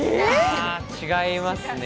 違いますね。